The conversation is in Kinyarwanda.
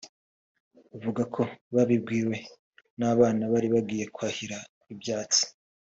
bavuga ko babibwiwe n’abana bari bagiye kwahira ibyatsi